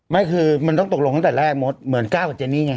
ไม่คือมันต้องตกลงตั้งแต่แรกมดเหมือนก้าวกับเจนี่ไง